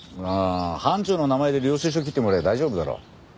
ああ班長の名前で領収書切ってもらえば大丈夫だろ。